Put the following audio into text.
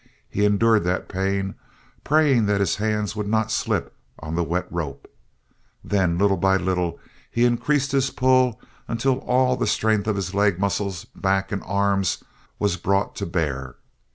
He endured that pain, praying that his hands would not slip on the wet rope. Then, little by little, he increased his pull until all the strength of leg muscles, back, and arms was brought to bear.